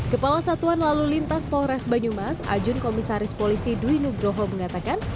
kepala satuan lalu lintas polres banyumas ajun komisaris polisi dwi nugroho mengatakan